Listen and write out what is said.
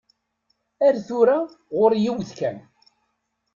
Ar tura, ɣur-i yiwet kan.